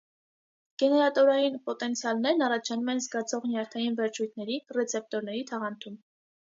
Գեներատորային պոտենցիալներն առաջանում են զգացող նյարդային վերջույթների՝ ռեցեպտորների թաղանթում։